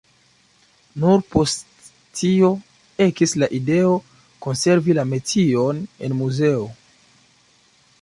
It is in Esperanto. Nur post tio ekis la ideo, konservi la metion en muzeo.